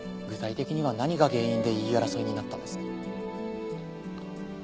具体的には何が原因で言い争いになったんです？